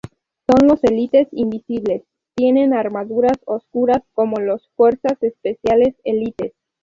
Son los Élites invisibles, tienen armaduras oscuras como los Fuerzas Especiales Élites.